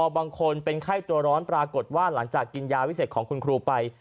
บางคนเป็นไข้ตัวร้อนปรากฏว่าหลังจากกินยาวิเศษของคุณครูไป